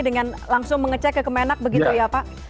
dengan langsung mengecek ke kemenak begitu ya pak